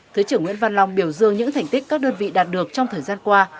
thứ trưởng nguyễn văn long biểu dương những thành tích các đơn vị đạt được trong thời gian qua